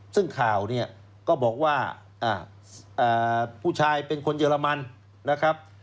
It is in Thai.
ซึ่งข่าวเนี่ยก็บอกว่าผู้ชายเป็นคนเยอรมันนะครับ